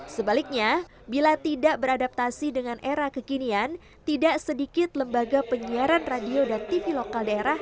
sebaliknya bila tidak beradaptasi dengan era kekinian tidak sedikit lembaga penyiaran radio dan televisi lokal dapat terus eksis